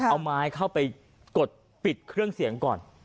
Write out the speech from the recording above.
เอาไม้เข้าไปกดปิดเครื่องเสียงก่อน